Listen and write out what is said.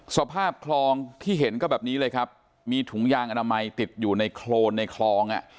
สภาพคลองที่เห็นก็แบบนี้เลยครับมีถุงยางอนามัยติดอยู่ในโครนในคลองอ่ะ